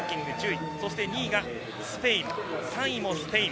２位がスペイン、３位もスペイン。